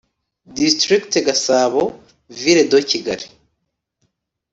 District Gasabo Ville de Kigali